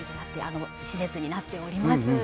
施設になっております。